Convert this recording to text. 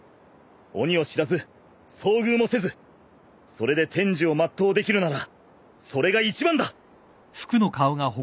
鬼を知らず遭遇もせずそれで天寿を全うできるならそれが一番だ。